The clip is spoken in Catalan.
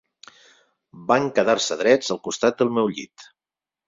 Van quedar-se drets al costat del meu llit